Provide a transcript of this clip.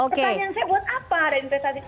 pertanyaan saya buat apa